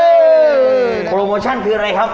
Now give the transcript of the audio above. โปรโมชั่นคืออะไรครับ